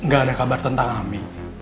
gak ada kabar tentang kami